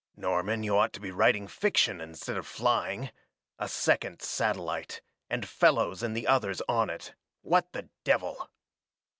"Norman, you ought to be writing fiction instead of flying. A second satellite and Fellows and the others on it what the devil!"